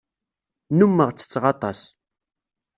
Nnummeɣ ttetteɣ aṭas.